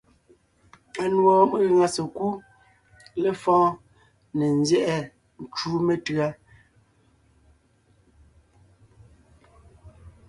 Anùɔ megàŋa sekúd lefɔ̌ɔn ne nzyɛ́ʼɛ ncú metʉ̌a.